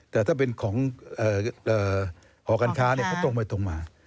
แต่ถ้าเป็นของหอการค้าเขาตรงไปตรงมา